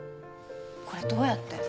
これどうやって？